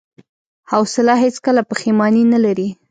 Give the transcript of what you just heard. حوصله هیڅکله پښېماني نه لري.